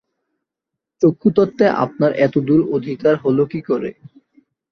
চক্ষুতত্ত্বে আপনার এতদূর অধিকার হল কী করে?